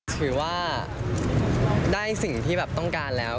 ถือว่าได้สิ่งที่แบบต้องการแล้ว